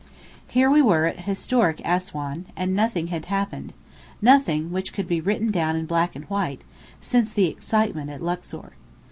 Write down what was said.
Here we were at historic Assuan; and nothing had happened, nothing which could be written down in black and white, since the excitements at Luxor.